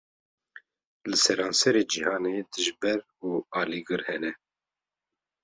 Li seranserê cîhanê, dijber û alîgir hene